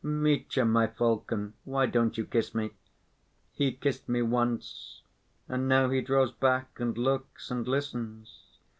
Mitya, my falcon, why don't you kiss me? He kissed me once, and now he draws back and looks and listens.